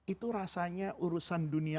itu rasanya urusan dunia